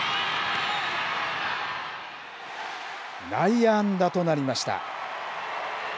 内野安打となりました。